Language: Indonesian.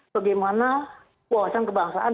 bagaimana kewasan kebangsaan